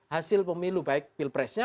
hasil pemilu baik pilpresnya